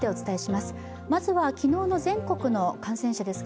まずは昨日の全国の感染者です。